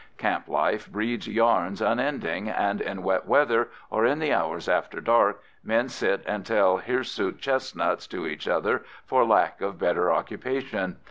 Camp life breeds yarns unending, and in wet weather, or in the hours after dark, men sit and tell hirsute chestnuts to each other for lack of better occupation.